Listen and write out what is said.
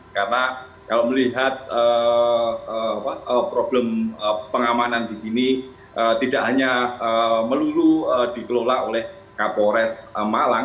karena kalau melihat problem pengamanan di sini tidak hanya melulu dikelola oleh kapolres malang